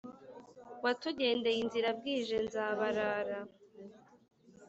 watugendeye inzira bwije nzabarara,